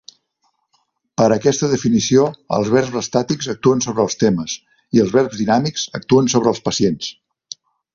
Per aquesta definició, els verbs estàtics actuen sobre els temes i els verbs dinàmics actuen sobre els pacients.